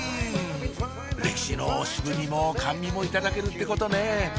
歴史の渋みも甘味もいただけるってことね